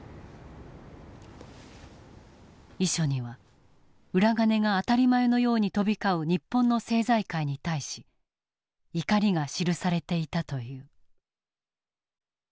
遺書には裏金が当たり前のように飛び交う日本の政財界に対し怒りが記されていたという。